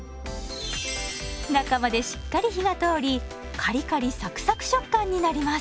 中までしっかり火が通りカリカリサクサク食感になります。